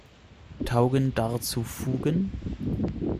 Taugen darzu Fugen?